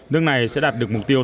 nước này sẽ đạt được mục tiêu